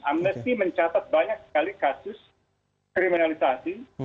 amnesti mencatat banyak sekali kasus kriminalisasi